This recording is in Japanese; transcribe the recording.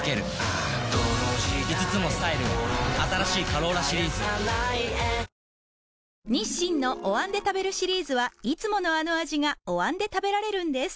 ポリグリップ日清のお椀で食べるシリーズはいつものあの味がお椀で食べられるんです